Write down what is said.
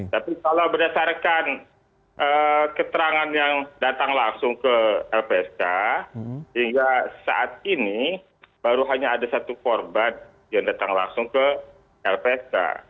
tapi kalau berdasarkan keterangan yang datang langsung ke lpsk hingga saat ini baru hanya ada satu korban yang datang langsung ke lpsk